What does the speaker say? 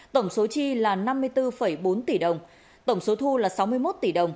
tổng số chi là năm mươi bốn bốn tỷ đồng tổng số thu là sáu mươi một tỷ đồng